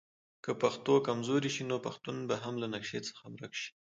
که پښتو کمزورې شي نو پښتون به هم له نقشه څخه ورک شي.